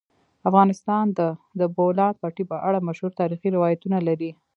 افغانستان د د بولان پټي په اړه مشهور تاریخی روایتونه لري.